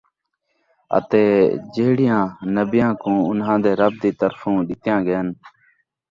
اَتے جِہڑیاں نبیّاں کُوں اُنہاں دے رَبّ دِی طرفوں ݙِتیاں ڳیئن